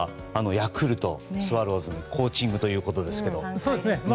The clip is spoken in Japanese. ヤクルトスワローズのコーチングということですけど。